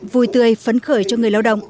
vui tươi phấn khởi cho người lao động